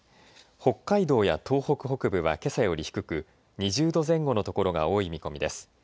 北海道や東北北部はけさより低く２０度前後の所が多い見込みです。